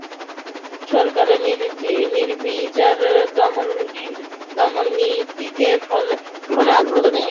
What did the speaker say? সরকারের নির্বিচার দমননীতির ফলে আন্দোলন কিছুটা নিষ্ক্রিয় হয়ে পড়ে।